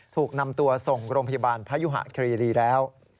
ถูกนำตัวส่งโรงพยาบาลพยุหะครีรีแล้ว